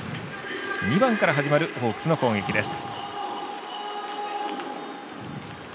２番から始まるホークスの攻撃です。